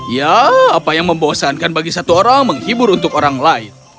ya apa yang membosankan bagi satu orang menghibur untuk orang lain